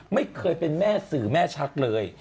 ไม่เคยเป็นแม่สื่อแม่ชักเลย